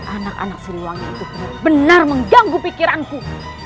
anak anak siliwangi itu benar benar mengganggu pikiranku